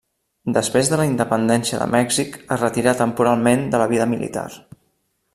Després de la independència de Mèxic, es retirà temporalment de la vida militar.